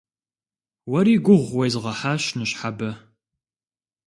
Уэри гугъу уезгъэхьащ ныщхьэбэ.